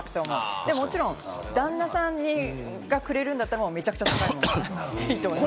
もちろん旦那さんがくれるんだったらめちゃくちゃ高いものがいいと思います。